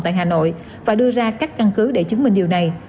tại hà nội và đưa ra các căn cứ để chứng minh điều này